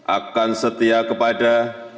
akan setia kepada